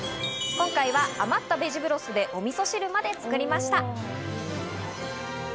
今回は余ったベジブロスでお味噌汁まで作りました。